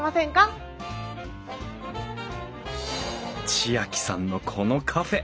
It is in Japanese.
知亜季さんのこのカフェ